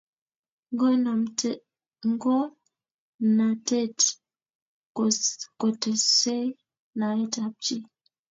ngomnatet kotesei naet ap chii